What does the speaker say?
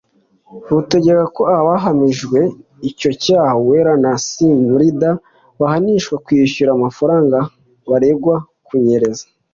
rutegeka ko abahamijwe icyo cyaha (Uwera na Zimurinda) bahanishwa kwishyura amafaranga baregwa kunyereza